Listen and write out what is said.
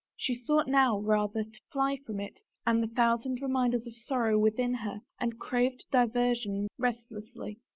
She sought now, rather, to fly from it and the thousand reminders of sorrow within her and craved diversion restlessly.